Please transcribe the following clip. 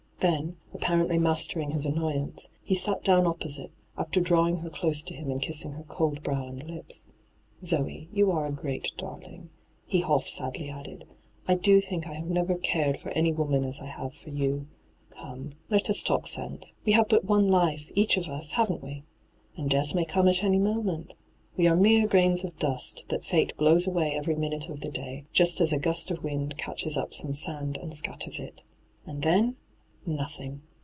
Then, apparently mastering his annoyance, he sat down opposite, after draw ing her close to him and kissing her cold brow and lips. ' Zoe, you are a great darling,' he half sadly added. ' I do think I have never cared for any woman as I have for you ! Come, let us talk sense. We have but one life, each of us, haven't we ? And death may come at any moment. We are mere grains of dust that &te blows away every minute of the day, just as a gust of wind catches up some sand and scatters it. And then ? Nothing